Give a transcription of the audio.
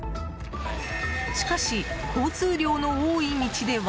しかし、交通量の多い道では。